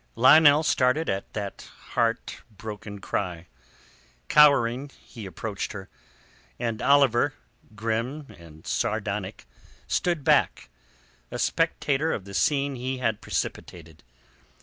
Lionel started at that heart broken cry. Cowering, he approached her, and Oliver, grim and sardonic, stood back, a spectator of the scene he had precipitated.